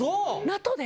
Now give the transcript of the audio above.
納豆で？